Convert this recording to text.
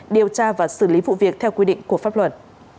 điều tra và xử lý vụ việc theo quy định của pháp luật